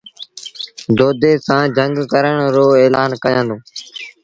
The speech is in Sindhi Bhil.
دودي سآݩ جھنگ ڪرڻ رو ايلآن ڪيآݩدوݩ ۔